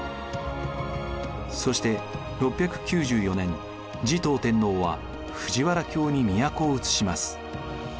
そして６９４年持統天皇は藤原京に都をうつします。